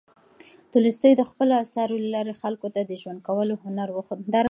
تولستوی د خپلو اثارو له لارې خلکو ته د ژوند کولو هنر وښود.